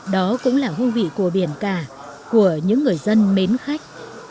đó cũng là hương vị của biển cả của những người dân mến khách